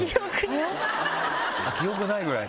記憶ないぐらいですか？